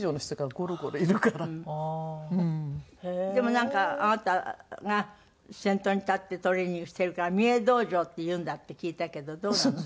でもなんかあなたが先頭に立ってトレーニングしてるからミエ道場っていうんだって聞いたけどどうなの？